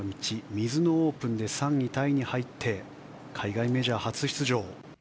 ミズノオープンで３位タイに入って海外メジャー初出場。